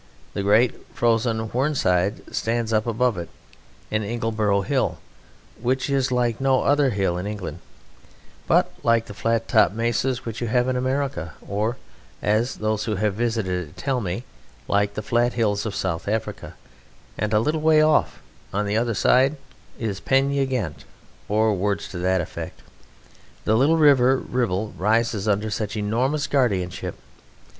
The great frozen Whernside stands up above it, and Ingleborough Hill, which is like no other hill in England, but like the flat topped Mesas which you have in America, or (as those who have visited it tell me) like the flat hills of South Africa; and a little way off on the other side is Pen y ghent, or words to that effect. The little River Ribble rises under such enormous guardianship.